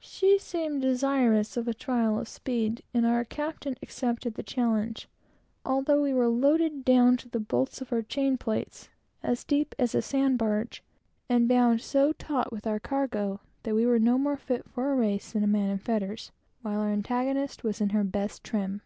She seemed desirous of a trial of speed, and our captain accepted the challenge, although we were loaded down to the bolts of our chain plates, as deep as a sand barge, and bound so taut with our cargo that we were no more fit for a race than a man in fetters; while our antagonist was in her best trim.